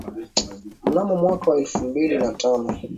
Mnamo mwaka wa elfu mbili na tano